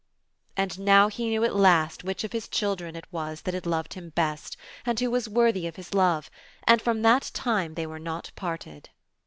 And now he knew at last which of his children it was that had loved him best, and who was worthy of his love; and from that time they were not parted.